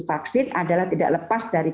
vaksin adalah tidak lepas dari